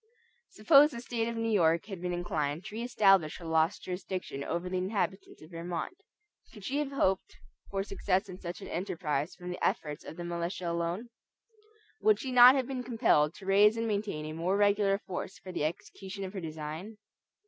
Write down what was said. Suppose the State of New York had been inclined to re establish her lost jurisdiction over the inhabitants of Vermont, could she have hoped for success in such an enterprise from the efforts of the militia alone? Would she not have been compelled to raise and to maintain a more regular force for the execution of her design?